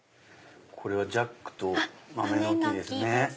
これは『ジャックと豆の木』ですね。